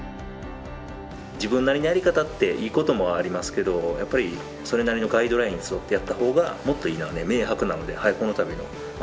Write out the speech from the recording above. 自分なりのやり方っていいこともありますけどやっぱりそれなりのガイドラインに沿ってやった方がもっといいのは明白なのでこの度のこのリニューアル